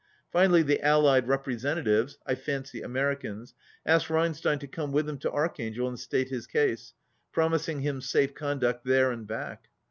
Finally the Allied representatives (I fancy Amer icans) asked Reinstein to come with them to Arch angel and state his case, promising him safe con duct there and back.